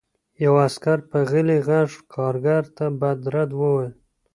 یوه عسکر په غلي غږ کارګر ته بد رد وویل